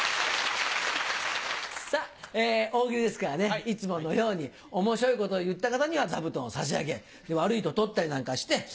大喜利ですからねいつものように面白いことを言った方には座布団を差し上げ悪いと取ったりなんかして。